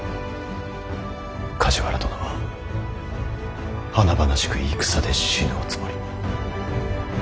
梶原殿は華々しく戦で死ぬおつもり。